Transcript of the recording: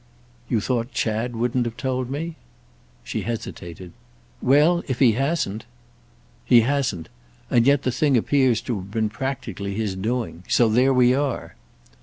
"You thought Chad wouldn't have told me?" She hesitated. "Well, if he hasn't—" "He hasn't. And yet the thing appears to have been practically his doing. So there we are."